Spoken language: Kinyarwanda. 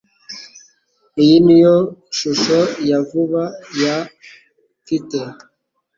Iyi niyo shusho ya vuba ya mfite.